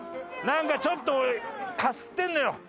なんかちょっとかすってんのよ。